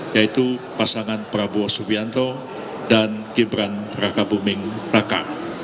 yaitu pasangan prabowo subianto dan gibran raka buming raka